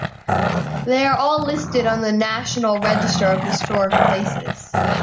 They are all listed on the National Register of Historic Places.